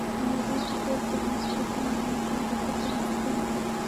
په نړۍ کې ټول پرمختګونه د انسان د فکر محصول دی